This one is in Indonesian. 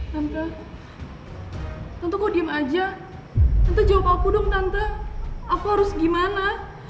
tante tante kok diem aja tante jawab aku dong tante aku harus gimana